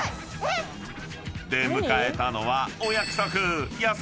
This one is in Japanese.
［出迎えたのはお約束］